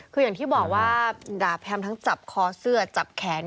คืออย่างที่บอกว่าด่าแพมทั้งจับคอเสื้อจับแขน